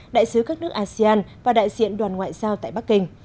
đại sứ các nước asean và đại diện đoàn ngoại giao tại bắc kinh